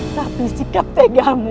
tapi sikap tegakmu